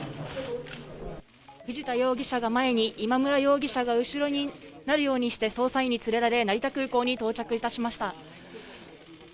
藤田容疑者が前に、今村容疑者が後ろになるようにして、捜査員に連れられ、成田空港に到着いたしました。